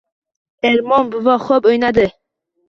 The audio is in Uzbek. Ermon buva xo‘p o‘ynadi!